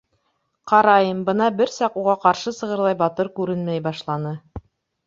Ҡарайым, бына бер саҡ уға ҡаршы сығырҙай батыр күренмәй башланы.